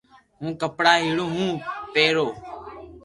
ھون ڪپڙا ھيڙيو ھون پيرو